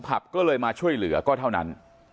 ก็เลยมาช่วยเหลือก็เท่านั้น